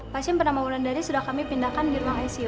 pasien penambah mulan dari sudah kami pindahkan di ruang icu